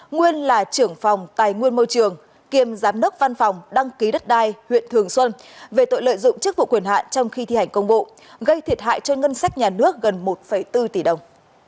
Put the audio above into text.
nguyên là trưởng phòng tài nguyên môi trường kiêm giám đốc văn phòng đăng ký đất đai huyện thường xuân về tội lợi dụng chức vụ quyền hạn trong khi thi hành công vụ gây thiệt hại cho ngân sách nhà nước gần một bốn tỷ đồng